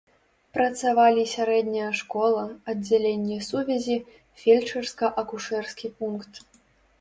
Працавалі сярэдняя школа, аддзяленне сувязі, фельчарска-акушэрскі пункт.